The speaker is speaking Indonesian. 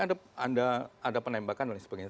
ada penembakan dan sebagainya